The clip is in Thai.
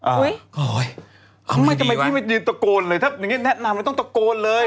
อุ๊ยไม่ดีวะทำไมพี่ไม่ยืนตะโกนเลยถ้าแนะนำไม่ต้องตะโกนเลย